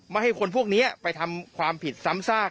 ให้คนพวกนี้ไปทำความผิดซ้ำซาก